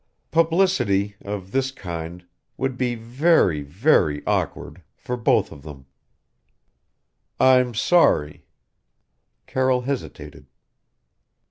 Publicity of this kind would be very very awkward for both of them." "I'm sorry " Carroll hesitated.